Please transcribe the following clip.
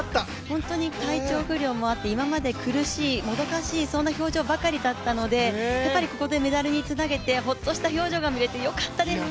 本当に体調不良もあって、今まで苦しいもどかしい、そんな表情ばかりだったのでここでメダルにつなげられてホッとした表情が見れてよかったです。